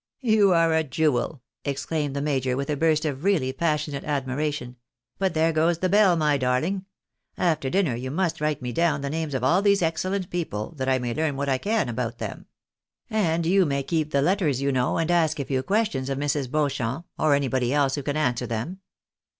" You are a jewel !" exclaimed the major, with a burst of really passionate admiration. " But there goes the bell, my darhng. 150 THE BARNABYS IN AMERICA. After dinner you must write me down the names of all these ex v 'Uent people, that I may learn what I can about them. And you may keep the letters, you know, and ask a few questions of Mrs. Beauchamp, or anybody else who can answer them."